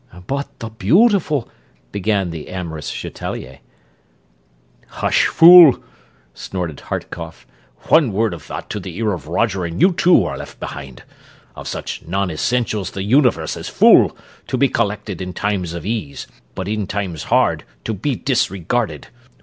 "But the beautiful...." began the amorous Chatelier. "Hush, fool!" snorted Hartkopf. "One word of that to the ear of Roger and you too are left behind. Of such non essentials the Universe is full, to be collected in times of ease, but in times hard to be disregarded.